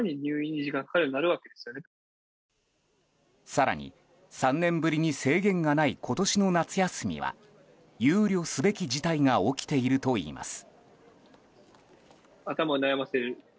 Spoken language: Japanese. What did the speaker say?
更に、３年ぶりに制限がない今年の夏休みは憂慮すべき事態が起きているといいます。